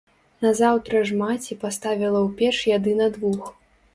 Назаўтра ж маці паставіла ў печ яды на двух.